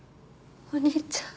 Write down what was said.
お兄ちゃん。